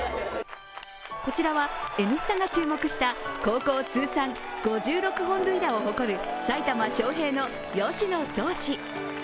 こちらは「Ｎスタ」が注目した、高校通算５６本塁打を誇る埼玉・昌平の吉野創士。